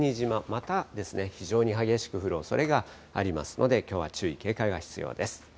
また非常に激しく降るおそれがありますので、きょうは注意警戒が必要です。